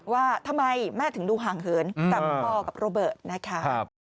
ว่าทำไมแม่ถึงดูห่างเหินกับพ่อกับโรเบิร์ตนะคะ